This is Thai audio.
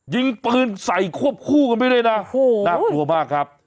ยิงปืนใส่ควบคู่กันไปด้วยนะน่ากลัวมากครับ